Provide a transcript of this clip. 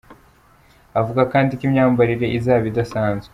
Avuga kandi ko imyambarire izaba idasanzwe.